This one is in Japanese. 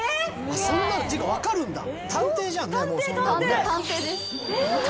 そんなの分かるんだ。